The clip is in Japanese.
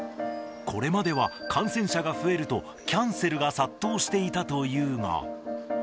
これまでは感染者が増えると、キャンセルが殺到していたというが。